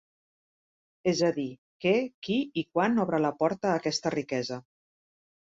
És a dir, què, qui i quan obre la porta a aquesta riquesa.